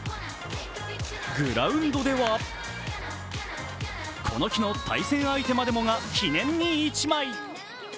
グラウンドでは、この日の対戦相手までもが記念に一枚。